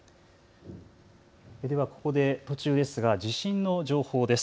ではここで途中ですが地震の情報です。